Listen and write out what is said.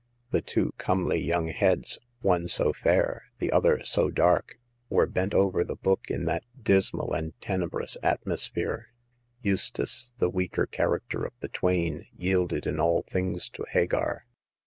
The two comely young heads, one so fair, the other so dark, were bent over the book in that dismal and tenebrous atmosphere. Eustace, the weaker character of the twain, yielded in all things to Hagar.